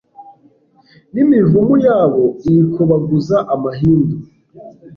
n’imivumu yabo iyikobaguza amahindu